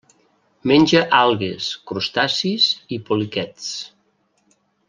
Menja algues, crustacis i poliquets.